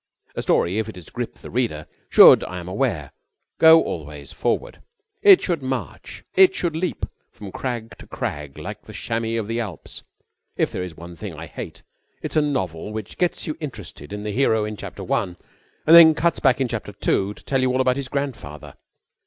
A story, if it is to grip the reader, should, I am aware, go always forward. It should march. It should leap from crag to crag like the chamois of the Alps. If there is one thing I hate, it is a novel which gets you interested in the hero in chapter one and then cuts back in chapter two to tell you all about his grandfather.